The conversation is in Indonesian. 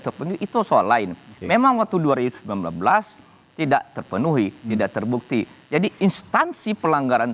terpenuhi itu soal lain memang waktu dua ribu sembilan belas tidak terpenuhi tidak terbukti jadi instansi pelanggaran